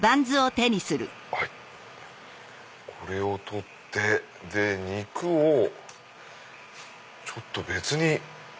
はいこれを取って肉をちょっと別に。